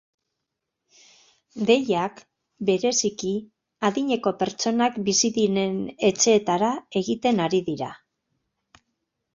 Deiak, bereziki, adineko pertsonak bizi diren etxeetara egiten ari dira.